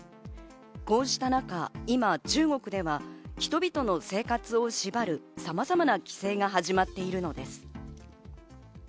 こうした中、今、中国では人々の生活を縛る、さまざまな規制が始まっているのです。